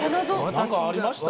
何かありました？